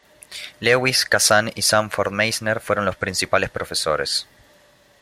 Lewis, Kazan y Sanford Meisner fueron los principales profesores.